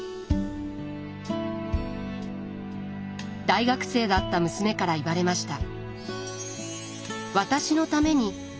大学生だった娘から言われました。